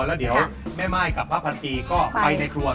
แล้วเดี๋ยวแม่ม่ายกับพระพันปีก็ไปในครัว